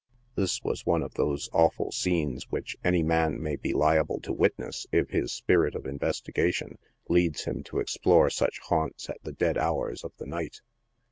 This was one of those awful scenes which any man may be liable to witness, if his spirit of investigation leads him to explore such haunts at the dead hours of the night.